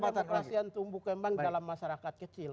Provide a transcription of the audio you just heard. tidak ada demokrasi yang tumbuh kembang dalam masyarakat kecil